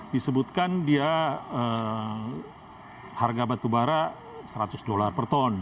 disebutkan dia harga batubara seratus dolar per ton